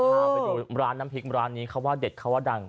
พาไปดูร้านน้ำพริกร้านนี้เขาว่าเด็ดเขาว่าดัง